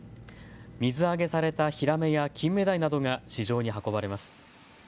水揚げされたヒラメやキンメダイなどが市場に運ばれます。